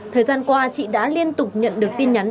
thời gian qua chị đã liên tục nhận được tin nhắn